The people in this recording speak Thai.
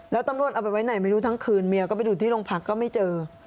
แล้วตำรวจเอาไปไว้ไหนไม่รู้ทั้งคืนเมียก็ไปดูที่โรงพักก็ไม่เจอ